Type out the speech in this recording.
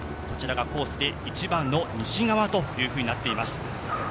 こちらがコースで一番の西側ということになっています。